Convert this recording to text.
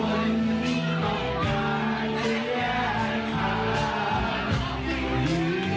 ก็เจอที่มาไม่เคยจนเข้าใจ